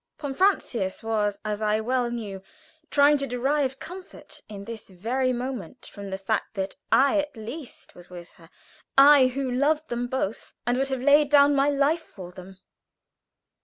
Von Francius was, as I well knew, trying to derive comfort in this very moment from the fact that I at least was with her; I who loved them both, and would have laid down my life for them.